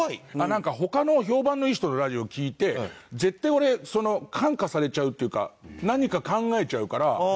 なんか他の評判のいい人のラジオを聴いて絶対俺その感化されちゃうっていうか何か考えちゃうからむしろ。